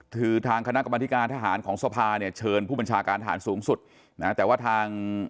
คือทางคณะกรรมธิการทหารของสภาเนี่ยเชิญผู้บัญชาการฐานสูงสุดนะแต่ว่าทาง